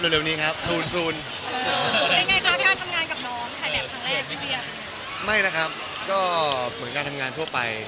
ไม่นะครับเพื่อนาจมันก็ทำงานทั่วไป